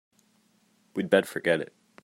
We'd better forget it.